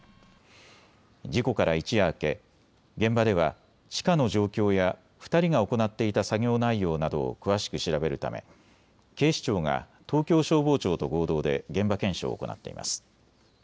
事故から一夜明け、現場では地下の状況や２人が行っていた作業内容などを詳しく調べるため警視庁が東京消防庁と合同で現場検証を行っています。